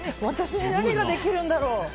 私に何ができるんだろう。